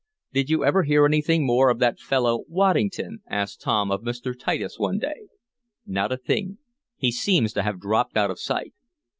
"Did you ever hear anything more of that fellow, Waddington?" asked Tom of Mr. Titus one day. "Not a thing. He seems to have dropped out of sight."